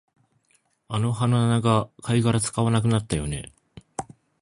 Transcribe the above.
あの鼻長、貝殻使わなくなったよね